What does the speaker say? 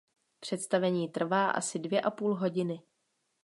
Představení trvá asi dvě a půl hodiny.